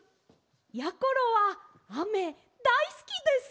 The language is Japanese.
やころはあめだいすきです！